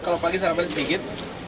kalau pagi sarapan sedikit